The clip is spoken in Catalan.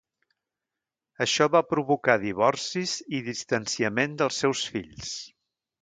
Això va provocar divorcis i distanciament dels seus fills.